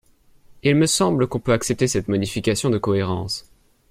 Il me semble qu’on peut accepter cette modification de cohérence.